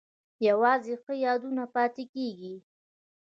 یوازې ښه یادونه پاتې کیږي